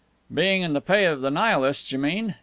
"Being in the pay of the Nihilists, you mean?